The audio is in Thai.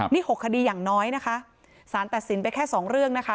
นี่๖คดีอย่างน้อยนะคะสารตัดสินไปแค่๒เรื่องนะคะ